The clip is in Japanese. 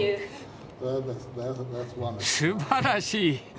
すばらしい！